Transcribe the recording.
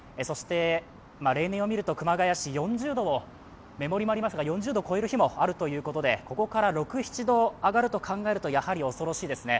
例年を見ると、熊谷市は４０度を超える日もあるということでここから６７度上がると考えるとやはり恐ろしいですね。